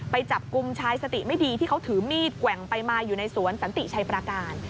ไปจับกลุ่มชายสติไม่ดีที่เขาถือมีดแกว่งไปมาอยู่ในสวนสันติชัยประการ